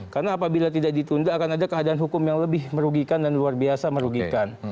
karena apabila tidak ditunda akan ada keadaan hukum yang lebih merugikan dan luar biasa merugikan